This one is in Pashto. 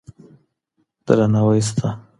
درناوی سته.